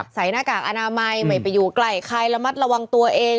หน้ากากอนามัยไม่ไปอยู่ใกล้ใครระมัดระวังตัวเอง